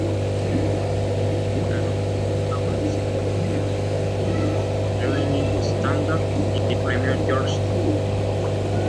Ganó un Premio Laurence Olivier, un "Evening Standard" y el "Premio George Devine".